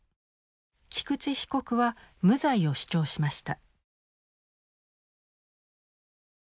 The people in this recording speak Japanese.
菊池被告は無罪を主張しました。